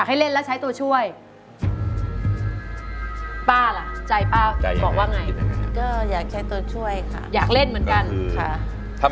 มาเอาใจช่วยกันนะครับ